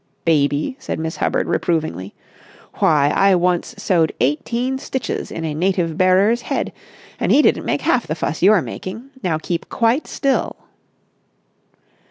"Baby!" said Miss Hubbard reprovingly. "Why, I once sewed eighteen stitches in a native bearer's head, and he didn't make half the fuss you're making. Now, keep quite still."